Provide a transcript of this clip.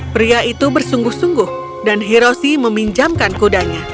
pria itu bersungguh sungguh dan hiroshi meminjamkan kudanya